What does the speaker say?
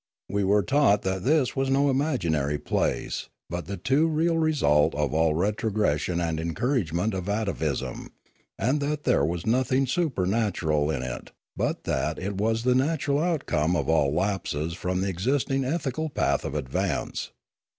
We were taught that this was no imaginary place, but the too real result of all retrogression and encouragement of atavism, and that there was nothing supernatural in it, but that it was the natural outcome of all lapses from the existing ethical path of advance.